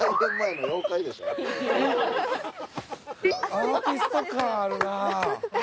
アーティスト感あるな。